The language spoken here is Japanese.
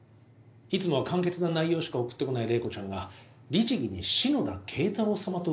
いつもは簡潔な内容しか送ってこない麗子ちゃんが律義に「篠田敬太郎さま」と打っている。